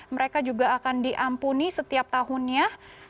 mereka juga akan diampuni setiap tahunnya